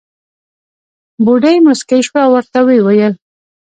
بوډۍ موسکۍ شوه او ورته وې وېل.